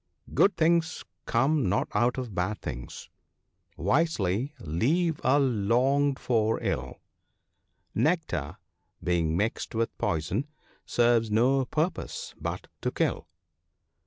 " Good things come not out of bad things ; wisely leave a longed for ill ; Nectar being mixed with poison serves no purpose but to kill.